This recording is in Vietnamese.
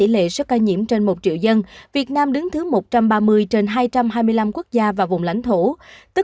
lạy châu hai năm trăm bảy mươi hai